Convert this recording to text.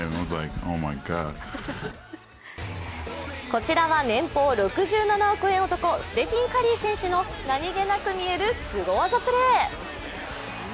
こちらは年俸６７億円男ステフィン・カリー選手の何気なく見えるすご技プレー。